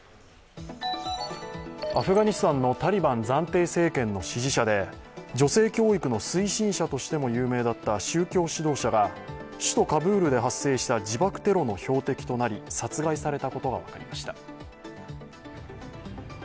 アフガニスタンのタリバン暫定政権の支持者で女性教育の推進者としても有名だった宗教指導者が首都カブールで発生した自爆テロの標的となり殺害されたことが分かりました。